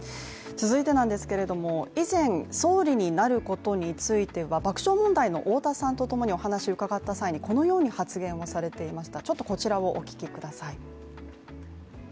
続いて、以前、総理になることについては爆笑問題の太田さんとともにお話を伺った際にこのように発言をされていました。